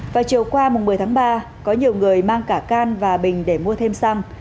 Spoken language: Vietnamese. và chiều qua một mươi tháng ba có nhiều người mang cả can và bình để mua thêm xăng